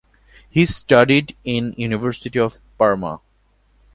He studied in University of Parma.